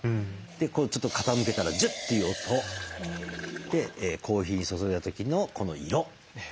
ちょっと傾けたらジュッていう音。でコーヒー注いだ時のこの色。